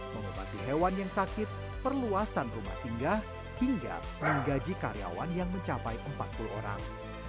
mengobati hewan yang sakit perluasan rumah singgah hingga menggaji karyawan yang mencapai empat puluh orang